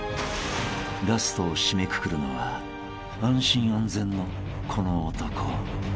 ［ラストを締めくくるのは安心安全のこの男］